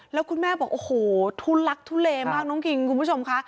แล้วคุณแม่บอกโอ้โหทุลักทุเลมากน้องคิงคุณผู้ชมค่ะ